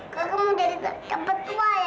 kau mau jadi tempat tua ya